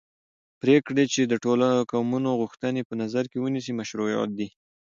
پرېکړې چې د ټولو قومونو غوښتنې په نظر کې ونیسي مشروعې دي